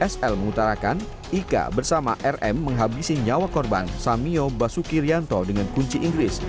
sl mengutarakan ika bersama rm menghabisi nyawa korban samio basuki rianto dengan kunci inggris